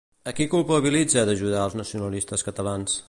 A qui culpabilitza d'ajudar als nacionalistes catalans?